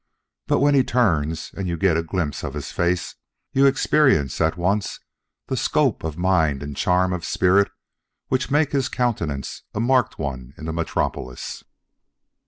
But when he turns and you get a glimpse of his face, you experience at once the scope of mind and charm of spirit which make his countenance a marked one in the metropolis.